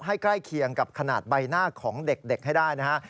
ใกล้เคียงกับขนาดใบหน้าของเด็กให้ได้นะฮะ